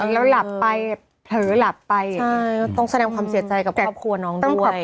แล้วหลับไปเผลอหลับไปต้องแสดงความเสียใจกับครอบครัวน้องด้วย